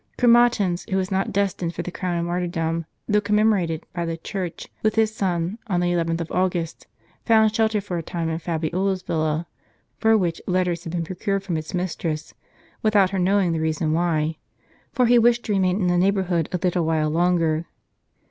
Chromatins, who was not destined for the crown of martyrdom, though commem orated, by the Church, with his son, on the 11th of August, found shelter for a time in Fabiola's villa, for which letters had been procured from its mistress, without her knowing the reason why ; for he wished to remain in the neighborhood a little while longer.